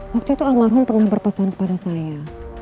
waktu itu almarhum pernah berpesan kepada saya